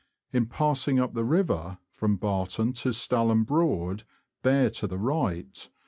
In passing up the river from Barton to Stalham Broad, bear to the right.